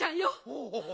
おお。